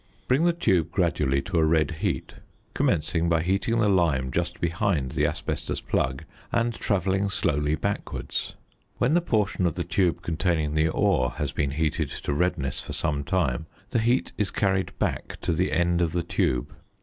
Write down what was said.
Bring the tube gradually to a red heat, commencing by heating the lime just behind the asbestos plug, and travelling slowly backwards. When the portion of the tube containing the ore has been heated to redness for some time the heat is carried back to the end of the tube.